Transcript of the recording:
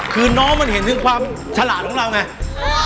คือน้องมันเห็นถึงความฉลาดของเราไง